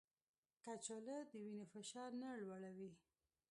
کچالو د وینې فشار نه لوړوي